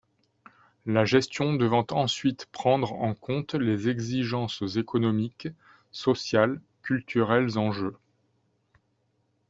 La gestion devant ensuite prendre en compte les exigences économiques, sociales, culturelles en jeu.